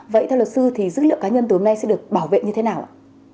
vậy theo luật sư thì dữ liệu cá nhân tối hôm nay sẽ được bảo vệ như thế nào ạ